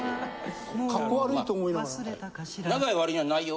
かっこ悪いと思いながら。